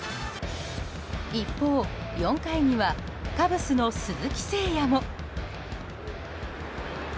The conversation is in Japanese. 一方、４回にはカブスの鈴木誠也も。